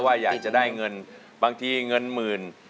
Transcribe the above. ว่าอยากจะได้เงินบางทีเงินหมื่น